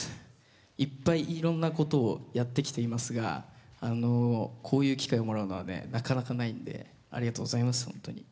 いっぱいいろんなことをやってきていますがこういう機会をもらうのはねなかなかないんでありがとうございます本当に。